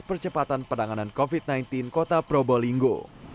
percepatan penanganan covid sembilan belas kota probolinggo